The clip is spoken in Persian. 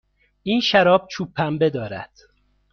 این شراب چوب پنبه دارد.